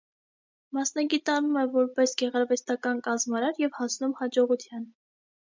Մասնագիտանում է որպես գեղարվեստական կազմարար և հասնում հաջողության։